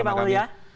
terima kasih pak mulya